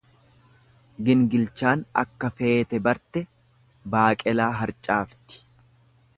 Gingilchaan akka feete barte baaqelaa harcaafti.